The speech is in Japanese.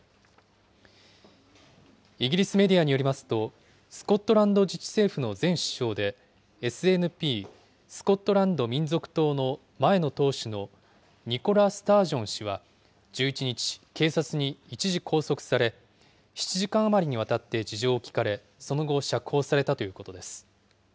イギリスメディアによりますと、スコットランド自治政府の前首相で、ＳＮＰ・スコットランド民族党の前の党首のニコラ・スタージョン氏は１１日、警察に一時拘束され、７時間余りにわたって事情を聴かれ、その後、釈放されたということです。